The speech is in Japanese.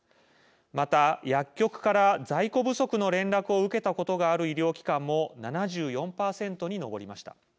また、薬局から在庫不足の連絡を受けたことがある医療機関も７４％に上りました。